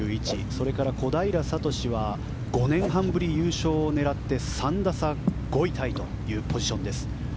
それから小平智は５年半ぶり優勝を狙って３打差５位タイというポジションです。